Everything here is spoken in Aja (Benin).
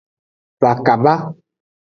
Va kaba.